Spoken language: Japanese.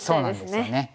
そうなんですよね。